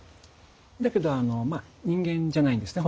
だけど人間じゃないんですね。